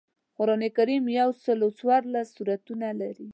قران کریم یوسل او څوارلس سورتونه لري